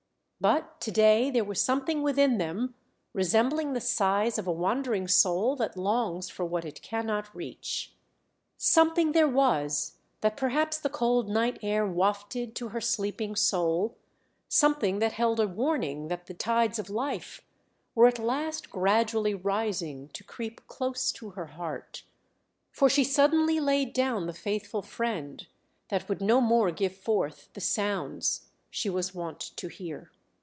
But to day there was something within them resembling the sighs of a wandering soul that longs for what it cannot reach. Something there was that perhaps the cold night air wafted to her sleeping soul something that held a warning that the tides of life were at last gradually rising to creep close to her heart, for she suddenly laid down the faithful friend that would no more give forth the sounds she was wont to hear.